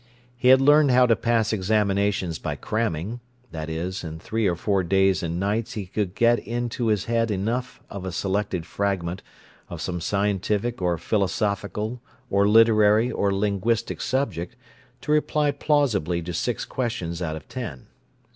He had learned how to pass examinations by "cramming"; that is, in three or four days and nights he could get into his head enough of a selected fragment of some scientific or philosophical or literary or linguistic subject to reply plausibly to six questions out of ten.